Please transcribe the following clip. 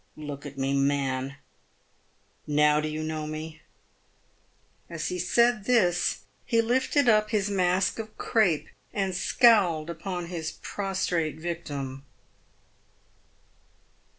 Look at me, man ! Now do you know me ?" As he said this, he lifted up his mask of crape, and scowled upon his prostrate victim.